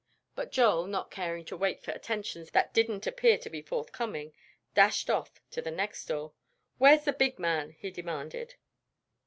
But Joel, not caring to wait for attentions that didn't appear to be forthcoming, dashed off to the next door. "Where's the big man?" he demanded.